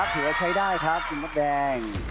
ถือว่าใช้ได้ครับคุณมดแดง